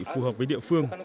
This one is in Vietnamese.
phù hợp với địa phương